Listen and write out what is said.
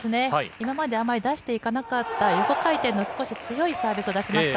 今まであまり出していかなかった横回転の強いサービスを出しました。